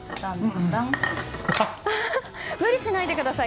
無理しないでください。